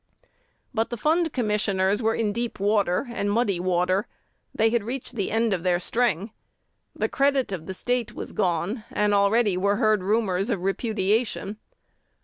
But the Fund Commissioners were in deep water and muddy water: they had reached the end of their string. The credit of the State was gone, and already were heard murmurs of repudiation.